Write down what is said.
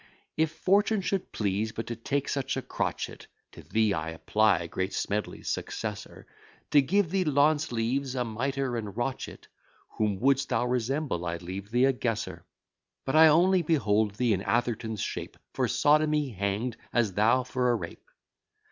If fortune should please but to take such a crotchet, (To thee I apply, great Smedley's successor,) To give thee lawn sleeves, a mitre, and rochet, Whom wouldst thou resemble? I leave thee a guesser. But I only behold thee in Atherton's shape, For sodomy hang'd; as thou for a rape.